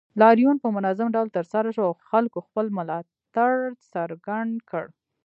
لاریون په منظم ډول ترسره شو او خلکو خپل ملاتړ څرګند کړ